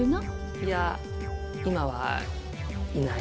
いや今はいない。